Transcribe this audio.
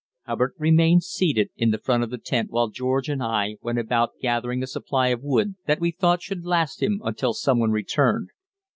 Hubbard remained seated in the front of the tent while George and I went about gathering a supply of wood that we thought should last him until someone returned.